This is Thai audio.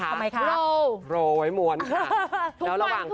ทำไมคะโรไว้ม้วนค่ะแล้วระหว่าง